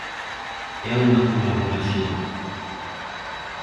É unha colaboración.